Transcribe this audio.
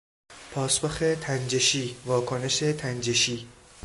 پاسخ تنجشی، واکنش تنجشی